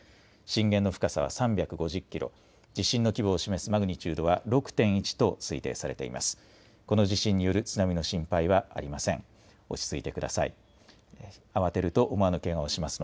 震源の深さは３５０キロ、地震の規模を示すマグニチュードは６．１と推定されています。